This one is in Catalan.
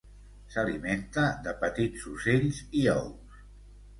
S'alimenta de petits ocells i ous.